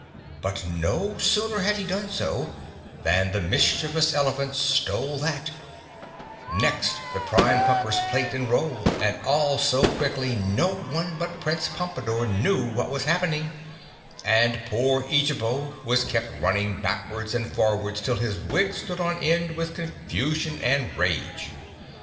But no sooner had he done so than the mischievous elephant stole that, next the Prime Pumper's plate and roll, and all so quickly, no one but Prince Pompadore knew what was happening and poor Eejabo was kept running backwards and forwards till his wig stood on end with confusion and rage.